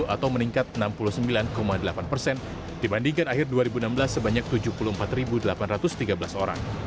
atau meningkat enam puluh sembilan delapan persen dibandingkan akhir dua ribu enam belas sebanyak tujuh puluh empat delapan ratus tiga belas orang